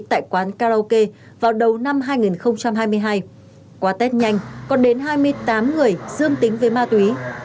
tại quán karaoke vào đầu năm hai nghìn hai mươi hai qua test nhanh còn đến hai mươi tám người dương tính với ma túy